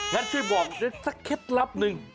งั้นช่วยบอกได้สักเคล็ดลับหนึ่ง